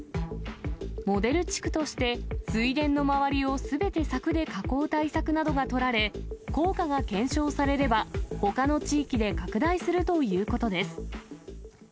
モデル地区として、水田の周りをすべて柵で囲う対策などが取られ、効果が検証されれば、ほかの地域で拡大するということです。